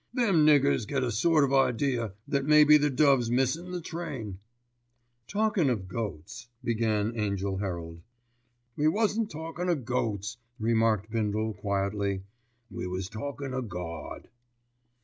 Them niggers get a sort of idea that maybe the dove's missed the train." "Talkin' of goats——" began Angell Herald. "We wasn't talkin' o' goats," remarked Bindle quietly, "we was talkin' o' Gawd."